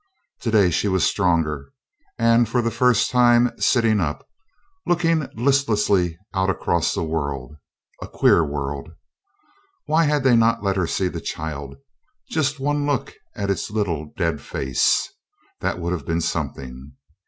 Today she was stronger, and for the first time sitting up, looking listlessly out across the world a queer world. Why had they not let her see the child just one look at its little dead face? That would have been something.